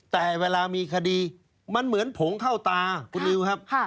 แต่เวลามีคดีมันเหมือนผงเข้าตาคุณนิวครับ